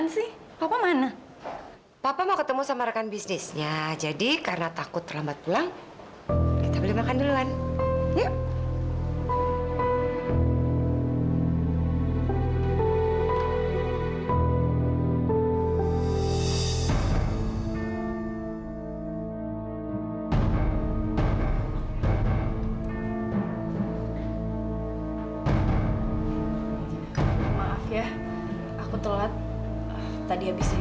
sampai jumpa di video selanjutnya